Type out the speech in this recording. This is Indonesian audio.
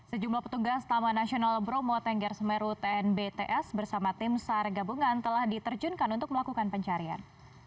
sejumlah petugas taman nasional bromo tengger semeru tnbts bersama tim sar gabungan telah diterjunkan untuk melakukan pencarian